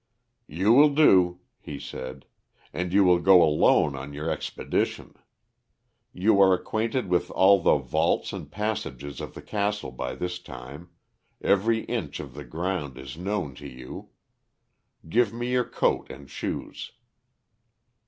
"You will do," he said. "And you will go alone on your expedition. You are acquainted with all the vaults and passages of the castle by this time; every inch of the ground is known to you. Give me your coat and shoes."